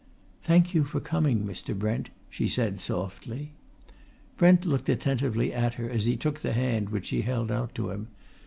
"Thank you for coming, Mr. Brent," she said softly. Brent looked attentively at her as he took the hand which she held out to him.